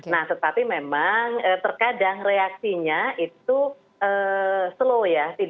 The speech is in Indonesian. nah tetapi memang terkadang reaksinya itu slow ya